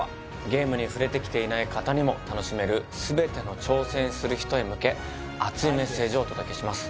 ゲームに触れてきていない方にも楽しめる全ての挑戦する人へ向け熱いメッセージをお届けします